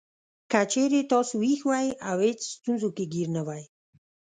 که چېرې تاسو وېښ وئ او هېڅ ستونزو کې ګېر نه وئ.